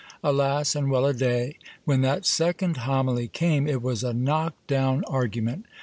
Alas, and well a day ! when that second homily came, it was a knock down ar gument.